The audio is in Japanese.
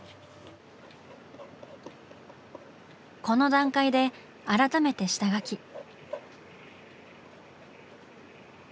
この段階で改めて下描き。